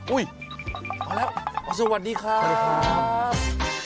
อุ้ยพอแล้วสวัสดีครับ